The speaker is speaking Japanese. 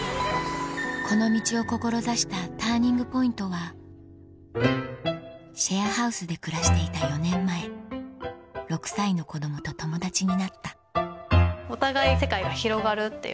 この道を志したＴＵＲＮＩＮＧＰＯＩＮＴはシェアハウスで暮らしていた４年前お互い世界が広がるっていう。